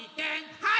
はい！